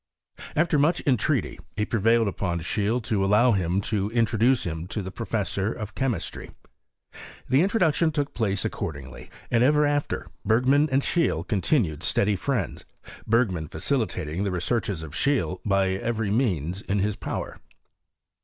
After much entreaty, he prevailed upon Seheele to allow him to introduce him to the professor of chemistry. The introduction took place accord in^y, and ever after Bergman and Seheele con tinued steady friends — Bergman facilitating the re searches of Seheele by every means in his power.